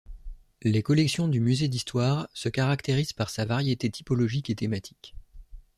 Les collections du Musée d'histoire se caractérisent par sa variété typologique et thématique.